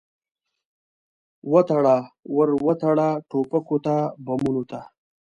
وتړه، ور وتړه ټوپکو ته، بمونو ته